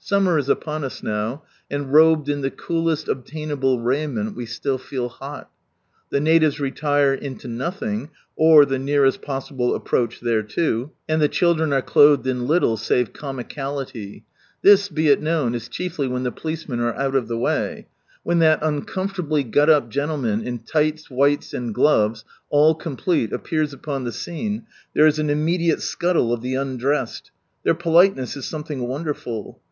Summer is upon us now, and robed in the coolest obtainable raiment we still feel hoL The natives retire into nothing, or the nearest possible approach thereto. With the Power of God behind it 35 and the children aie clothed in Itttie, save comicality. This, be it known, is chiefly when the pohceman is out of the way. When that uncomfortably got up gentleman in tights, whites, and gloves, all complete, appears upon the scene, there is an immediate scuttle of the undressed. Their politeness is something wonderful.